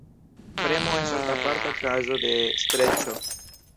Premo estas aparta kazo de streĉo.